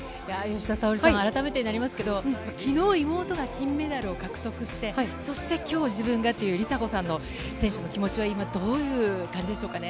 吉田沙保里さん、改めてになりますけれども、きのう、妹が金メダルを獲得して、そしてきょう、自分がという梨紗子さんの選手の気持ちは今、どういう感じでしょ